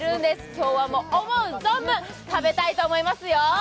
今日はもう思う存分食べたいと思いますよ。